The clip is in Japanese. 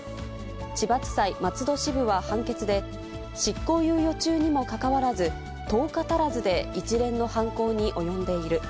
千葉地裁松戸支部は判決で、執行猶予中にもかかわらず、１０日足らずで一連の犯行に及んでいる。